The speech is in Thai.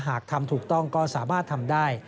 หากทำถูกต้องก็สามารถทำได้